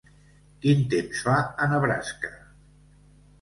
Quin temps fa a Nebraska